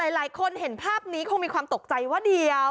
หลายคนเห็นภาพนี้คงจะมีความตกใจว่า